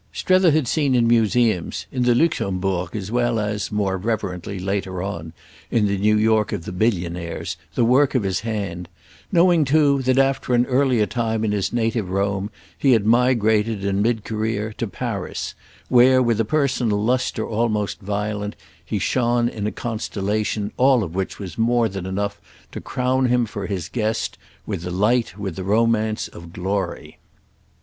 Strether had seen in museums—in the Luxembourg as well as, more reverently, later on, in the New York of the billionaires—the work of his hand; knowing too that after an earlier time in his native Rome he had migrated, in mid career, to Paris, where, with a personal lustre almost violent, he shone in a constellation: all of which was more than enough to crown him, for his guest, with the light, with the romance, of glory.